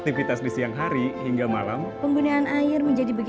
terima kasih pak